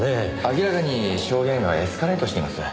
明らかに証言がエスカレートしています。